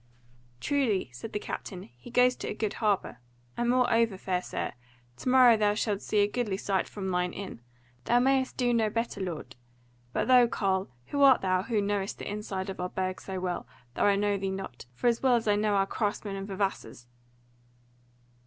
"Truly," said the captain, "he goes to a good harbour; and moreover, fair sir, to morrow thou shalt see a goodly sight from thine inn; thou mayst do no better, lord. But thou, carle, who art thou, who knowest the inside of our Burg so well, though I know thee not, for as well as I know our craftsmen and vavassors?"